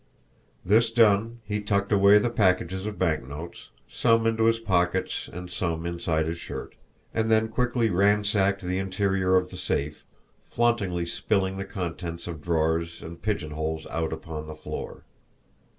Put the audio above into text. This done, he tucked away the packages of banknotes, some into his pockets and some inside his shirt; and then quickly ransacked the interior of the safe, flauntingly spilling the contents of drawers and pigeonholes out upon the floor.